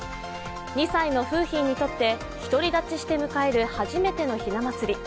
２歳の楓浜にとって、独り立ちして迎える初めてのひな祭り。